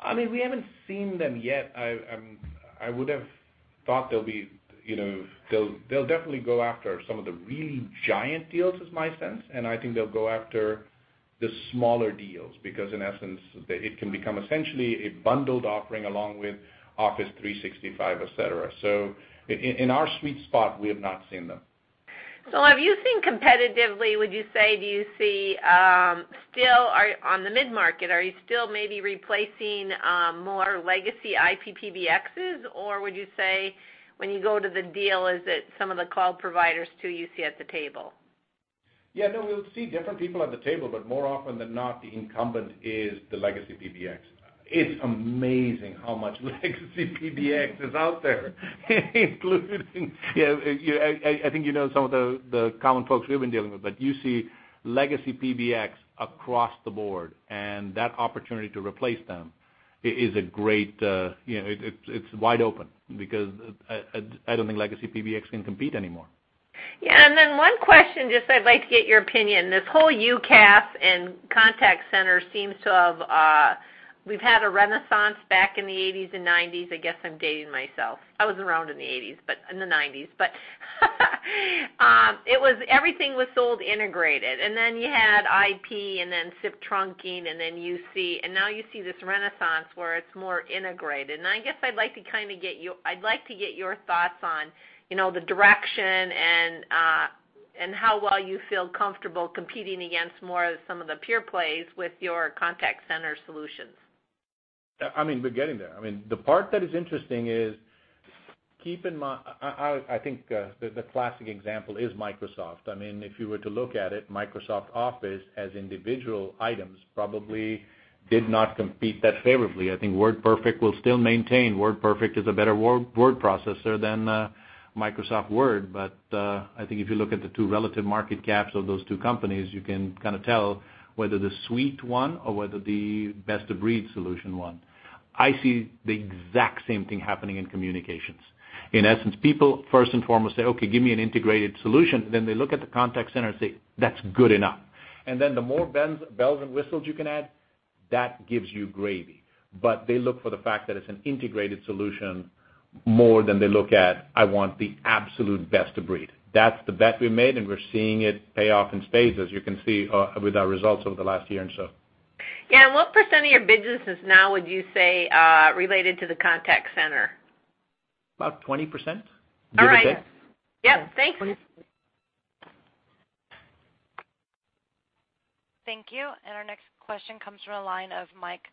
I mean, we haven't seen them yet. I would have thought they'll definitely go after some of the really giant deals, is my sense, and I think they'll go after the smaller deals, because in essence, it can become essentially a bundled offering along with Office 365, et cetera. In our sweet spot, we have not seen them. Have you seen competitively, would you say, do you see still are on the mid-market, are you still maybe replacing more legacy IP-PBXs, or would you say when you go to the deal, is it some of the cloud providers too you see at the table? We'll see different people at the table, but more often than not, the incumbent is the legacy PBX. It's amazing how much legacy PBX is out there. I think you know some of the common folks we've been dealing with, but you see legacy PBX across the board, and that opportunity to replace them is wide open because I don't think legacy PBX can compete anymore. One question, just I'd like to get your opinion. This whole UCaaS and contact center, we've had a renaissance back in the '80s and '90s. I guess I'm dating myself. I wasn't around in the '80s, but in the '90s. Everything was sold integrated, then you had IP and then SIP trunking, and now you see this renaissance where it's more integrated. I guess I'd like to get your thoughts on the direction and how well you feel comfortable competing against more of some of the pure plays with your contact center solutions. I mean, we're getting there. I think the classic example is Microsoft. If you were to look at it, Microsoft Office as individual items probably did not compete that favorably. I think WordPerfect will still maintain WordPerfect is a better word processor than Microsoft Word. I think if you look at the two relative market caps of those two companies, you can tell whether the suite won or whether the best-of-breed solution won. I see the exact same thing happening in communications. In essence, people first and foremost say, "Okay, give me an integrated solution." Then they look at the contact center and say, "That's good enough." The more bells and whistles you can add, that gives you gravy. They look for the fact that it's an integrated solution more than they look at, I want the absolute best of breed. That's the bet we made, and we're seeing it pay off in spades, as you can see with our results over the last year and so. Yeah, what 20% of your business now would you say related to the contact center? About 20%, give or take. All right. Yep. Thanks. Thank you. Our next question comes from the line of Mike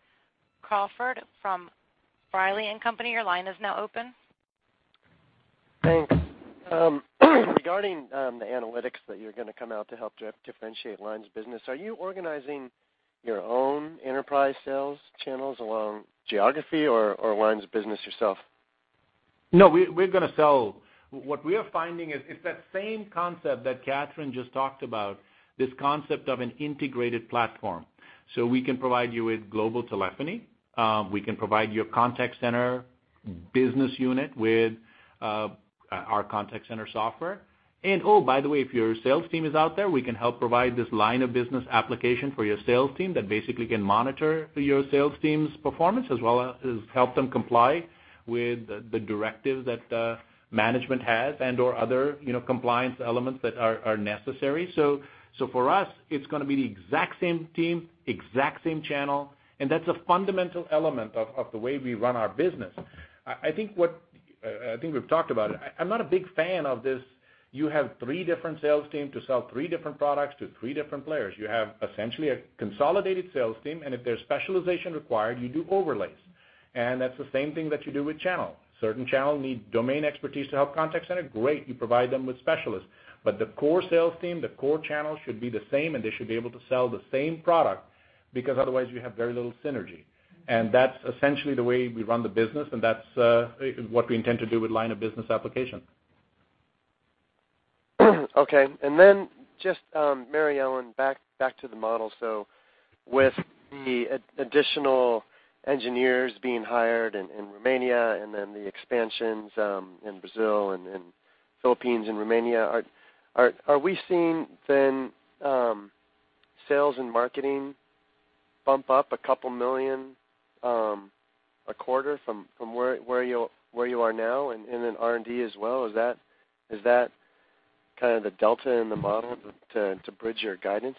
Crawford from B. Riley & Co. Your line is now open. Thanks. Regarding the analytics that you're going to come out to help differentiate line of business, are you organizing your own enterprise sales channels along geography or line of business yourself? No, what we are finding is it's that same concept that Catharine just talked about, this concept of an integrated platform. We can provide you with global telephony. We can provide your contact center business unit with our contact center software. Oh, by the way, if your sales team is out there, we can help provide this line of business application for your sales team that basically can monitor your sales team's performance as well as help them comply with the directives that management has and/or other compliance elements that are necessary. For us, it's going to be the exact same team, exact same channel, and that's a fundamental element of the way we run our business. I think we've talked about it. I'm not a big fan of this. You have three different sales team to sell three different products to three different players. You have essentially a consolidated sales team, if there's specialization required, you do overlays. That's the same thing that you do with channel. Certain channel need domain expertise to help contact center, great, you provide them with specialists. The core sales team, the core channel, should be the same, they should be able to sell the same product, because otherwise you have very little synergy. That's essentially the way we run the business, that's what we intend to do with line of business application. Mary Ellen, back to the model. With the additional engineers being hired in Romania and then the expansions in Brazil and Philippines and Romania, are we seeing then sales and marketing bump up $2 million a quarter from where you are now, and in then R&D as well? Is that kind of the delta in the model to bridge your guidance?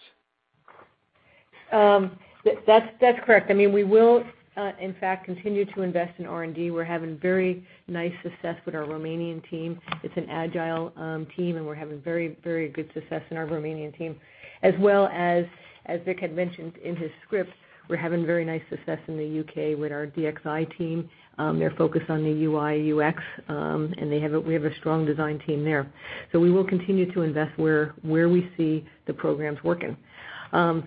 That's correct. We will, in fact, continue to invest in R&D. We're having very nice success with our Romanian team. It's an agile team, and we're having very good success in our Romanian team. As well as Vik had mentioned in his script, we're having very nice success in the U.K. with our DXI team. They're focused on the UI/UX, and we have a strong design team there. We will continue to invest where we see the programs working. From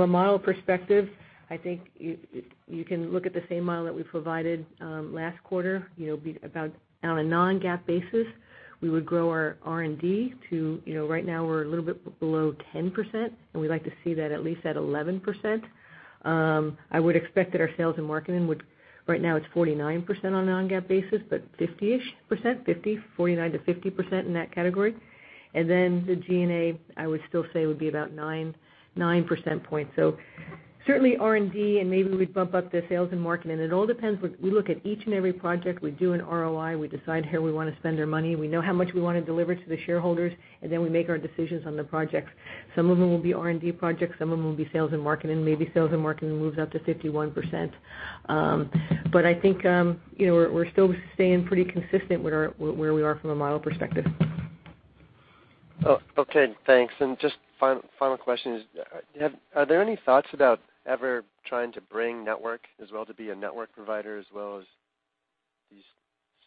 a model perspective, I think you can look at the same model that we provided last quarter. On a non-GAAP basis, we would grow our R&D to, right now we're a little bit below 10%, and we'd like to see that at least at 11%. I would expect that our sales and marketing, right now it's 49% on a non-GAAP basis, but 50-ish percent, 49%-50% in that category. The G&A, I would still say, would be about nine percentage points. Certainly R&D and maybe we'd bump up the sales and marketing. It all depends. We look at each and every project. We do an ROI. We decide how we want to spend our money. We know how much we want to deliver to the shareholders, and then we make our decisions on the projects. Some of them will be R&D projects, some of them will be sales and marketing, maybe sales and marketing moves up to 51%. I think we're still staying pretty consistent with where we are from a model perspective. Okay, thanks. Just final question is, are there any thoughts about ever trying to bring network as well to be a network provider as well as these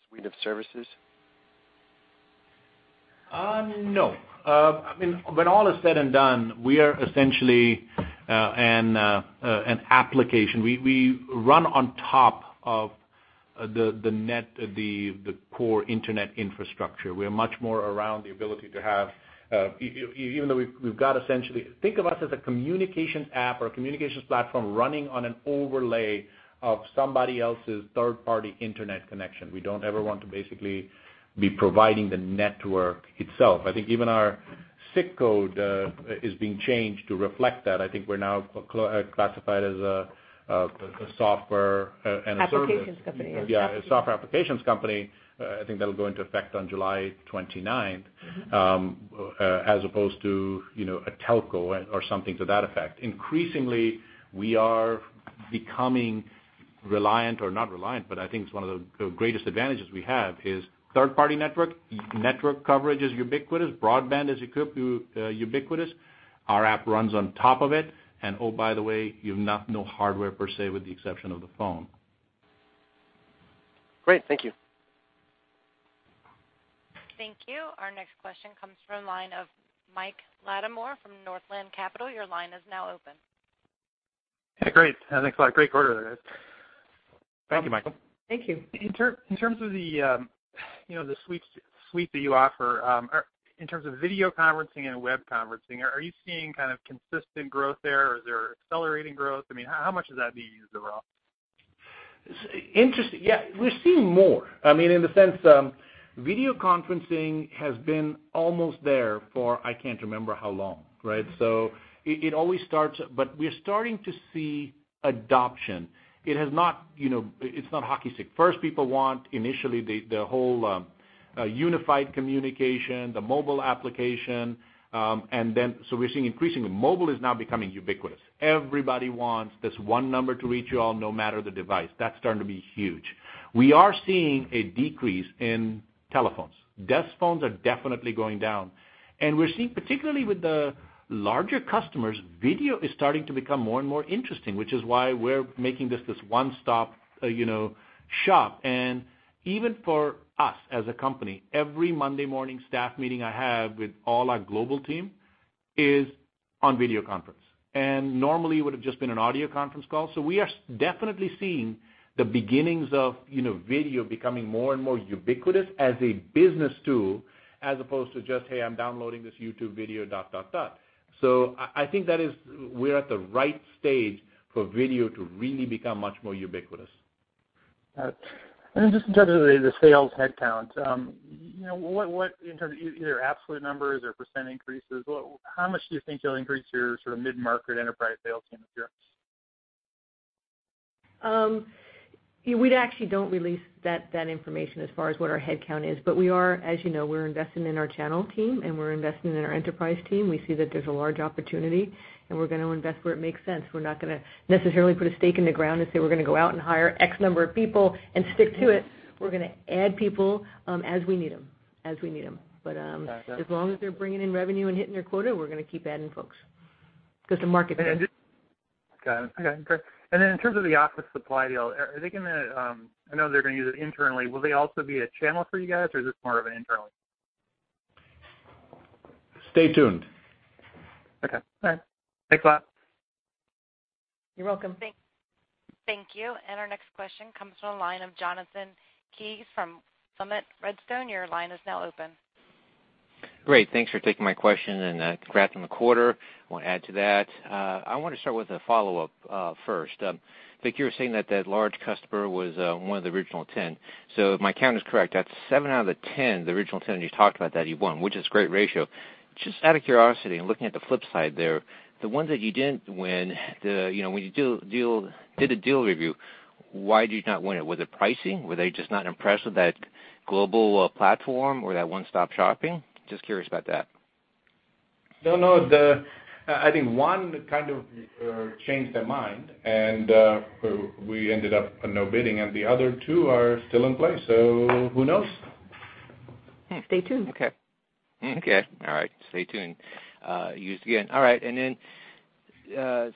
suite of services? No. When all is said and done, we are essentially an application. We run on top of the core internet infrastructure. We are much more around the ability to have. Even though we've got essentially, think of us as a communications app or communications platform running on an overlay of somebody else's third-party internet connection. We don't ever want to basically be providing the network itself. I think even our SIC code is being changed to reflect that. I think we're now classified as a software and a service Applications company. Yeah, a software applications company. I think that'll go into effect on July 29th. As opposed to, a telco or something to that effect. Increasingly, we are becoming reliant, or not reliant, but I think it's one of the greatest advantages we have is third-party network. Network coverage is ubiquitous. Broadband is ubiquitous. Our app runs on top of it, and oh, by the way, you have no hardware per se, with the exception of the phone. Great. Thank you. Thank you. Our next question comes from line of Mike Latimore from Northland Capital. Your line is now open. Great. Thanks a lot. Great quarter, guys. Thank you, Michael. Thank you. In terms of the suite that you offer, in terms of video conferencing and web conferencing, are you seeing kind of consistent growth there, or is there accelerating growth? How much does that be used overall? Interesting. Yeah, we're seeing more. In the sense, video conferencing has been almost there for I can't remember how long, right? We're starting to see adoption. It's not hockey stick. First people want initially the whole unified communications, the mobile application, we're seeing increasing. Mobile is now becoming ubiquitous. Everybody wants this one number to reach you all no matter the device. That's starting to be huge. We are seeing a decrease in telephones. Desk phones are definitely going down. We're seeing, particularly with the larger customers, video is starting to become more and more interesting, which is why we're making this one-stop shop. Even for us as a company, every Monday morning staff meeting I have with all our global team is on video conference. Normally it would've just been an audio conference call. We are definitely seeing the beginnings of video becoming more and more ubiquitous as a business tool, as opposed to just, "Hey, I'm downloading this YouTube video, dot, dot." I think that we're at the right stage for video to really become much more ubiquitous. Got it. Then just in terms of the sales headcount, what, in terms of either absolute numbers or % increases, how much do you think you'll increase your sort of mid-market enterprise sales team this year? We actually don't release that information as far as what our headcount is. We are, as you know, we're investing in our channel team, we're investing in our enterprise team. We see that there's a large opportunity, we're going to invest where it makes sense. We're not going to necessarily put a stake in the ground and say we're going to go out and hire X number of people and stick to it. We're going to add people as we need them. As long as they're bringing in revenue and hitting their quota, we're going to keep adding folks. Got it. Okay, great. Then in terms of the office supply deal, I know they're going to use it internally. Will they also be a channel for you guys or is this more of an internal? Stay tuned. Okay. All right. Thanks a lot. You're welcome. Thank you. Our next question comes from the line of Jonathan Kees from Summit Redstone. Your line is now open. Great. Thanks for taking my question and congrats on the quarter. Won't add to that. I want to start with a follow-up first. Vik, you were saying that that large customer was one of the original 10. If my count is correct, that's seven out of the 10, the original 10 you talked about, that you won, which is a great ratio. Just out of curiosity and looking at the flip side there, the ones that you didn't win, when you did a deal review, why did you not win it? Was it pricing? Were they just not impressed with that global platform or that one-stop shopping? Just curious about that. No, I think one kind of changed their mind, and we ended up no bidding, and the other two are still in play, so who knows? Stay tuned. Okay. All right. Stay tuned. Used again. All right. Then,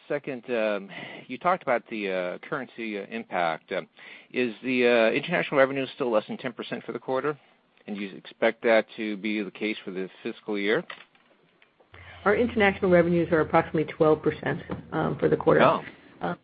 second, you talked about the currency impact. Is the international revenue still less than 10% for the quarter? Do you expect that to be the case for this fiscal year? Our international revenues are approximately 12% for the quarter. Oh, okay.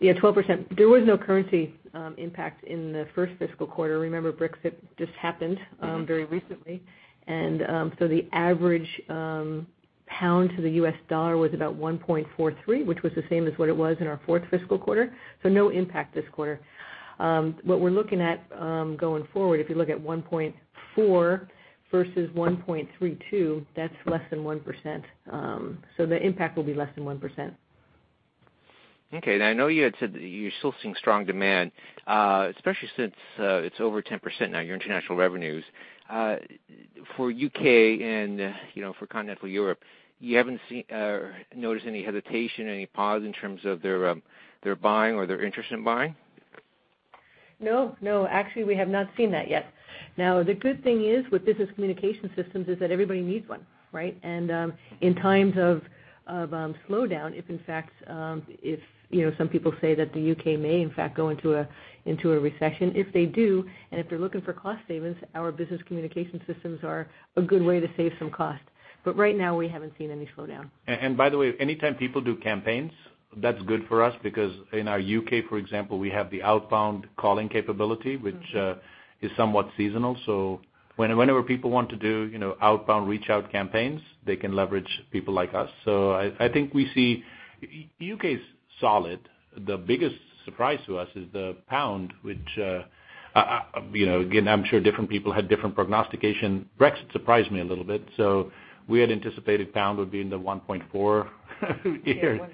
Yeah, 12%. There was no currency impact in the first fiscal quarter. Remember, Brexit just happened very recently, the average pound to the U.S. dollar was about 1.43, which was the same as what it was in our fourth fiscal quarter, no impact this quarter. What we're looking at going forward, if you look at 1.4 versus 1.32, that's less than 1%, the impact will be less than 1%. Okay, I know you had said that you're still seeing strong demand, especially since it's over 10% now, your international revenues. For U.K. and for Continental Europe, you haven't noticed any hesitation, any pause in terms of their buying or their interest in buying? No. Actually, we have not seen that yet. Now, the good thing is with business communication systems is that everybody needs one, right? In times of slowdown, if in fact, some people say that the U.K. may, in fact, go into a recession, if they do, and if they're looking for cost savings, our business communication systems are a good way to save some cost. Right now, we haven't seen any slowdown. By the way, anytime people do campaigns, that's good for us because in our U.K., for example, we have the outbound calling capability, which is somewhat seasonal. Whenever people want to do outbound reach-out campaigns, they can leverage people like us. I think we see U.K.'s solid. The biggest surprise to us is the GBP, which again, I'm sure different people had different prognostication. Brexit surprised me a little bit. We had anticipated GBP would be in the 1.4- Yeah, GBP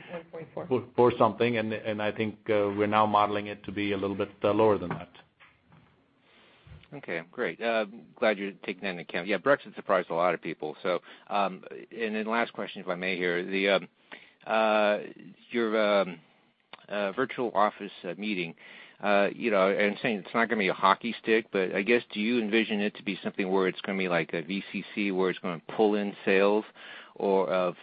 1.4 four something. I think we're now modeling it to be a little bit lower than that. Okay, great. Glad you're taking that into account. Yeah, Brexit surprised a lot of people. Then last question, if I may here. Your Virtual Office Meetings, and saying it's not going to be a hockey stick, but I guess, do you envision it to be something where it's going to be like a VCC, where it's going to pull in sales of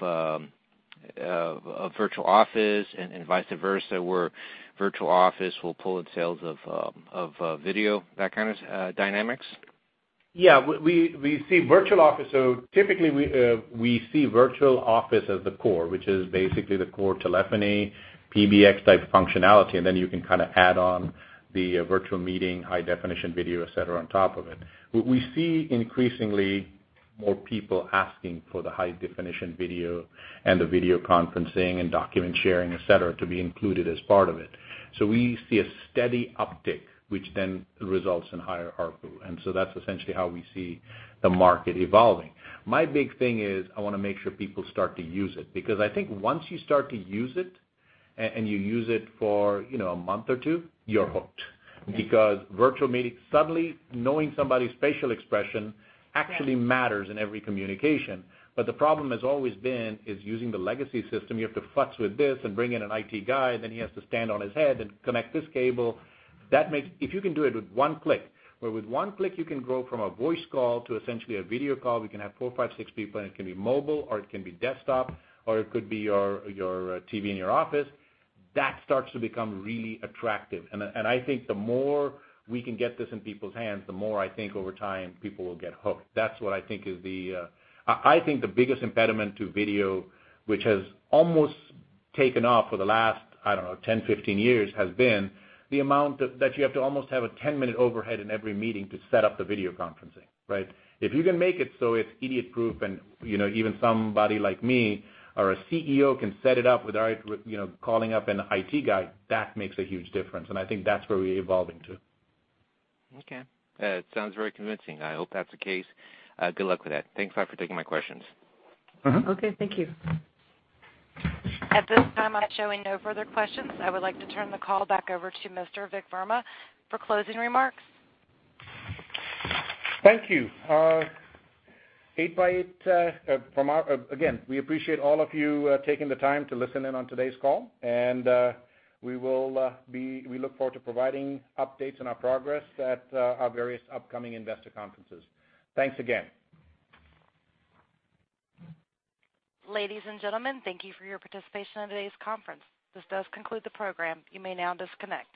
Virtual Office and vice versa, where Virtual Office will pull in sales of video, that kind of dynamics? Typically, we see Virtual Office as the core, which is basically the core telephony, PBX-type functionality, and then you can add on the Virtual Office Meetings, high-definition video, et cetera, on top of it. What we see increasingly more people asking for the high-definition video and the video conferencing and document sharing, et cetera, to be included as part of it. We see a steady uptick, which then results in higher ARPU, that's essentially how we see the market evolving. My big thing is I want to make sure people start to use it because I think once you start to use it, and you use it for a month or two, you're hooked. Okay. Virtual Office Meetings, suddenly knowing somebody's facial expression actually matters in every communication. The problem has always been is using the legacy system, you have to futz with this and bring in an IT guy, then he has to stand on his head and connect this cable. If you can do it with one click, where with one click you can go from a voice call to essentially a video call, we can have four, five, six people and it can be mobile or it can be desktop, or it could be your TV in your office, that starts to become really attractive. I think the more we can get this in people's hands, the more I think over time, people will get hooked. I think the biggest impediment to video, which has almost taken off for the last, I don't know, 10, 15 years, has been the amount that you have to almost have a 10-minute overhead in every meeting to set up the video conferencing, right? If you can make it so it's idiot-proof and even somebody like me or a CEO can set it up without calling up an IT guy, that makes a huge difference, I think that's where we're evolving to. Okay. Sounds very convincing. I hope that's the case. Good luck with that. Thanks a lot for taking my questions. Okay, thank you. At this time, I'm showing no further questions. I would like to turn the call back over to Mr. Vik Verma for closing remarks. Thank you. 8x8, again, we appreciate all of you taking the time to listen in on today's call, and we look forward to providing updates on our progress at our various upcoming investor conferences. Thanks again. Ladies and gentlemen, thank you for your participation in today's conference. This does conclude the program. You may now disconnect.